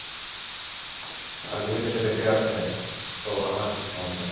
আর যেহেতু সে বেঁচে আছে, সো আমার কিচ্ছু হবে নাহ।